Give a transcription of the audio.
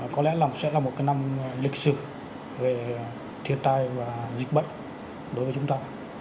có lẽ sẽ là một cái năm lịch sử về thiệt tai và dịch bệnh đối với chúng ta